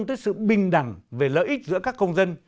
tới sự bình đẳng về lợi ích giữa các công dân